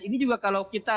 ini juga kalau kita